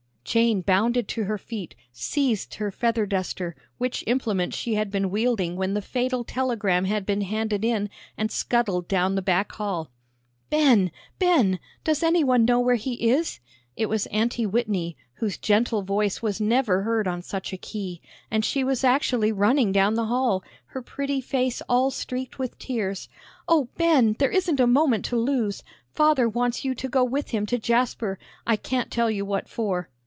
Jane bounded to her feet, seized her feather duster, which implement she had been wielding when the fatal telegram had been handed in, and scuttled down the back hall. "Ben, Ben! Does any one know where he is?" It was Aunty Whitney, whose gentle voice was never heard on such a key, and she was actually running down the hall, her pretty face all streaked with tears. "Oh, Ben, there isn't a moment to lose. Father wants you to go with him to Jasper. I can't tell you what for."